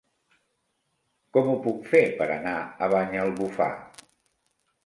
Com ho puc fer per anar a Banyalbufar?